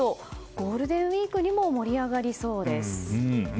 ゴールデンウィークにも盛り上がりそうですね。